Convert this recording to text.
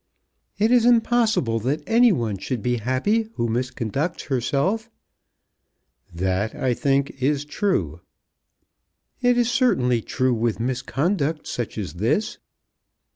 "It is impossible that any one should be happy who misconducts herself." "That, I think, is true." "It is certainly true, with misconduct such as this."